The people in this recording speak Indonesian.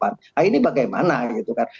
nah ini bagaimana gitu kan